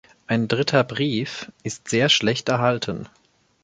Ein dritter Brief ist sehr schlecht erhalten.